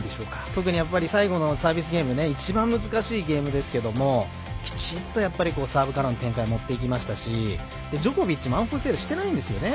特に最後のサービスゲーム一番難しいゲームですがきちんと、サーブからの展開持っていきましたしジョコビッチもアンフォーストエラーしてないんですよね。